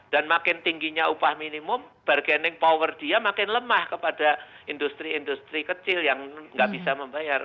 dan makin tingginya upah minimum bargaining power dia makin lemah kepada industri industri kecil yang gak bisa membayar